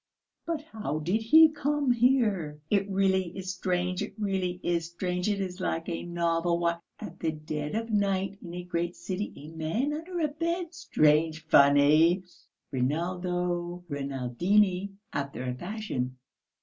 But how did he come here?" "It really is strange, it really is strange, it is like a novel! Why! At the dead of night, in a great city, a man under the bed. Strange, funny! Rinaldo Rinaldini after a fashion.